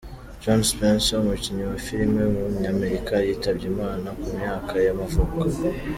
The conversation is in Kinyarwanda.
John Spencer, umukinnyi wa filime w’umunyamerika yitabye Imana ku myaka y’amavuko.